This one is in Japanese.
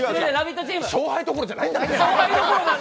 勝敗どころじゃないんだって！